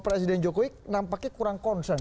presiden jokowi nampaknya kurang concern